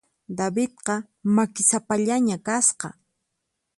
Davidqa makisapallaña kasqa.